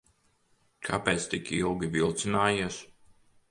Kāpēc tik ilgi vilcinājies?